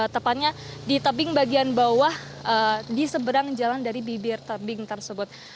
tepatnya di tebing bagian bawah di seberang jalan dari bibir tebing tersebut